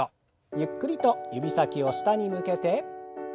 ゆっくりと指先を下に向けて。